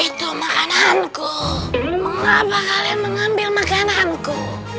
itu makananku kenapa kili menganfis manggit ane